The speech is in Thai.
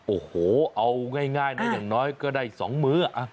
โอ้โหเอาง่ายนะอย่างน้อยก็ได้๒มื้อ